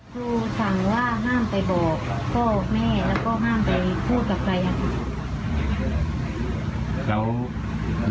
ครูสั่งว่าห้ามไปบอกเจ้าะแม่และก็ห้ามไปพูดกับใคร